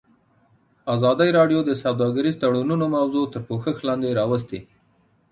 ازادي راډیو د سوداګریز تړونونه موضوع تر پوښښ لاندې راوستې.